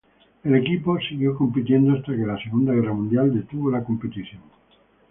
El equipo siguió compitiendo hasta que la Segunda Guerra Mundial detuvo la competición.